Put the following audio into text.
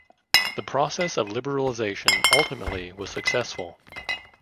The process of liberalization ultimately was successful.